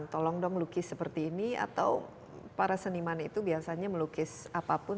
tolong dong lukis seperti ini atau para seniman itu biasanya melukis apapun